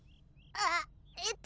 あっえっと